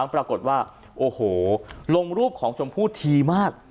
ปรากฏว่าโอ้โหลงรูปของชมพู่ทีมาก